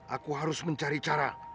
aku harus mencari cara